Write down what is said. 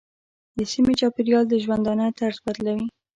د سیمې چاپېریال د ژوندانه طرز بدلوي.